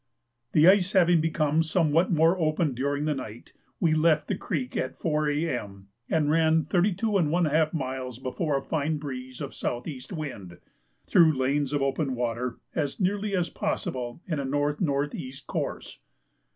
The ice having become somewhat more open during the night, we left the creek at 4 A.M., and ran 32½ miles before a fine breeze of S.E. wind, through lanes of open water, as nearly as possible in a N.N.E. course.